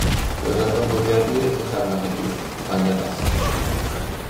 Byddaf yn bwriadu edrych arno heddiw a'i addasu